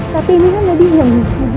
tapi ini kan tidak didiamin